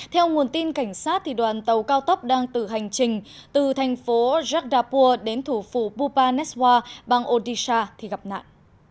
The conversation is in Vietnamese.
theo nguồn tin cảnh sát đoàn tàu cao tốc đang tự hành trình từ thành phố jagdapur đến thủ phủ bhubaneswar bang odisha gặp nạn